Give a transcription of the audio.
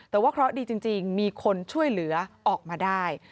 แต่ว่าเคราะห์ดีจริงมีคนช่วยเหลือออกมาได้